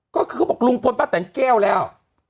ก็คือลุงพลป๊าแตนแก้วแล้ว